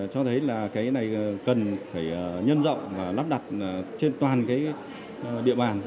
cho thấy là cái này cần phải nhân rộng và lắp đặt trên toàn cái địa bàn